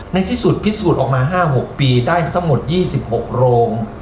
ในที่สุดพิสูจน์ออกมา๕๖ปีได้ทั้งหมด๒๖โรง